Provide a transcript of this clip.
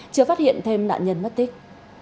chưa phát hiện thêm nạn nhân mất tích